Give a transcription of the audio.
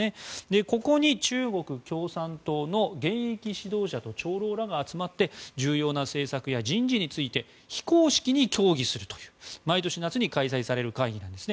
ここに中国共産党の現役指導者と長老らが集まって重要な政策や人事について非公式に協議するという毎年夏に開催される会議なんですね。